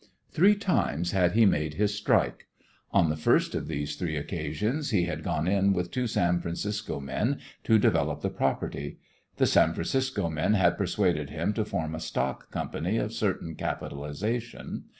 Three times had he made his "strike." On the first of these three occasions he had gone in with two San Francisco men to develop the property. The San Francisco men had persuaded him to form a stock company of certain capitalisation.